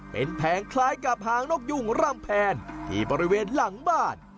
เป็นแผงคล้ายกับหางนกยุ่งร่ำแพนที่บริเวณหลังบ้าน